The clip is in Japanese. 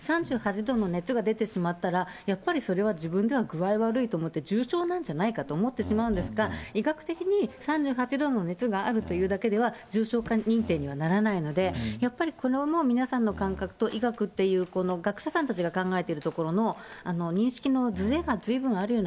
３８度の熱が出てしまったら、やっぱりそれは自分では具合悪いと思って、重症なんじゃないかと思ってしまうんですが、医学的に３８度の熱があるというだけでは、重症化認定にはならないので、やっぱり、これはもう、皆さんの感覚と医学っていう、学者さんたちが考えているところの認識のずれが、ずいぶんあるよ